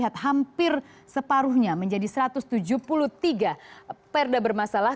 terseparuhnya menjadi satu ratus tujuh puluh tiga perda bermasalah